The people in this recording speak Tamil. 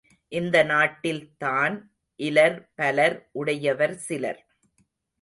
இந்த நாட்டில் தான் இலர் பலர் உடையவர் சிலர்.